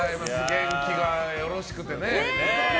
元気がよろしくてね。